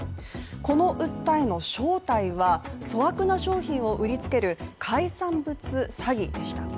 この訴えの正体は、粗悪な商品を売りつける海産物詐欺でした。